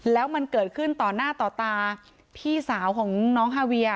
แล้วมันเกิดขึ้นต่อหน้าต่อตาพี่สาวของน้องฮาเวีย